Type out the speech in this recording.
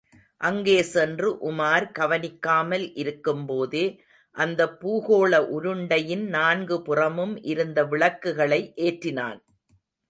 அங்கே சென்று, உமார் கவனிக்காமல் இருக்கும்போதே, அந்தப் பூகோள உருண்டையின் நான்கு புறமும் இருந்த விளக்குகளை ஏற்றினான்.